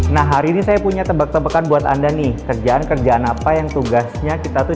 nah hari ini saya punya tebak tebakan buat anda nih kerjaan kerjaan apa yang tugasnya kita tuh